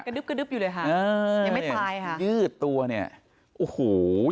ดึ๊บกระดึ๊บอยู่เลยค่ะเออยังไม่ตายค่ะยืดตัวเนี่ยโอ้โห